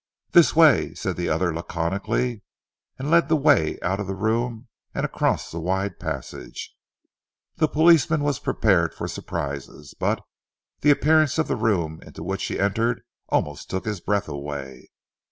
"This way," said the other laconically, and led the way out of the room and across the wide passage. The policeman was prepared for surprises, but the appearance of the room into which he entered almost took his breath away.